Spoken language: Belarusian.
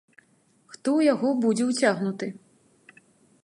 Хто ў яго будзе ўцягнуты?